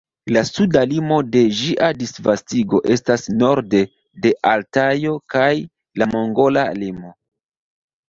La suda limo de ĝia disvastigo estas norde de Altajo kaj la mongola limo.